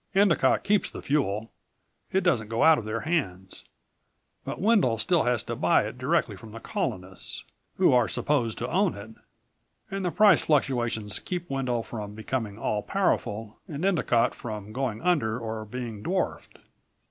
Endicott keeps the fuel. It doesn't go out of their hands. But Wendel still has to buy it directly from the Colonists, who are supposed to own it, and the price fluctuations keep Wendel from becoming all powerful and Endicott from going under or being dwarfed.